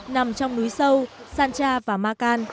nằm trong núi sâu sancha và makan